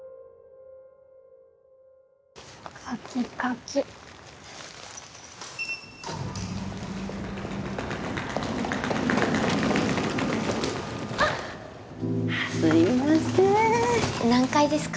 鍵鍵あっすいません何階ですか？